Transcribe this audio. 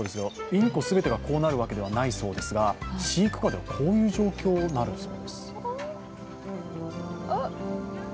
インコ全てがこうなるわけではないそうですが飼育下ではこういう状況になるそうです。